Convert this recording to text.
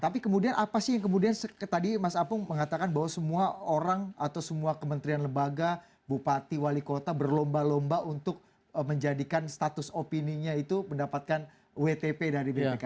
tapi kemudian apa sih yang kemudian tadi mas apung mengatakan bahwa semua orang atau semua kementerian lembaga bupati wali kota berlomba lomba untuk menjadikan status opininya itu mendapatkan wtp dari bpk